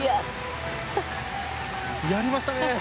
やりましたね。